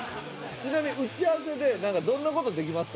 ちなみに打ち合わせで「どんな事できますか？」